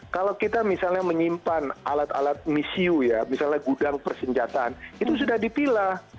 kalau kita misalnya menyimpan alat alat misiu ya misalnya gudang persenjataan itu sudah dipilah